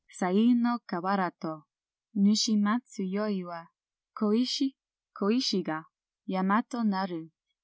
^ Sai no kawara to Nushi matsu yoi wa Koishi, koishi ga Yama to naru.